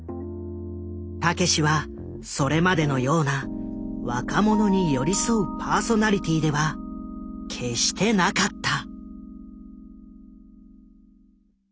たけしはそれまでのような若者に寄り添うパーソナリティーでは決してなかった。